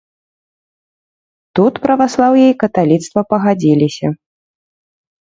Тут праваслаўе і каталіцтва пагадзіліся.